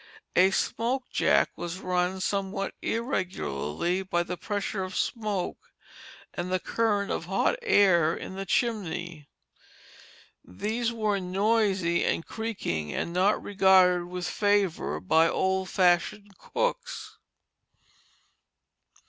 A smoke jack was run somewhat irregularly by the pressure of smoke and the current of hot air in the chimney. These were noisy and creaking and not regarded with favor by old fashioned cooks.